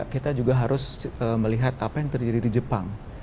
kita juga harus melihat apa yang terjadi di jepang